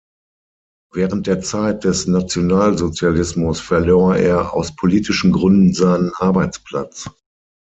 Während der Zeit des Nationalsozialismus verlor er aus politischen Gründen seinen Arbeitsplatz.